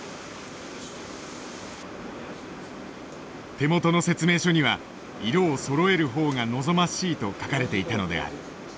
手元の説明書には「色をそろえる方が望ましい」と書かれていたのである。